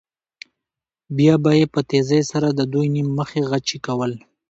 بیا به یې په تېزۍ سره د دوی نیم مخي غچي کول.